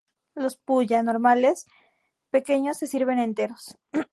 Los "pulla" normales pequeños se sirven enteros.